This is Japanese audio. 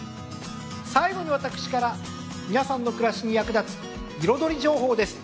最後に私から皆さんの暮らしに役立つ彩り情報です。